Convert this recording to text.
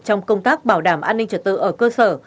trong công tác bảo đảm an ninh trật tự ở cơ sở